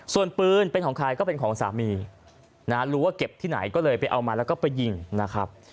ส่วนปืนเป็นของใครก็เป็นของสามีนะรู้ว่าเก็บที่ไหนก็เลยไปเอามาแล้วก็ไปยิงนะครับ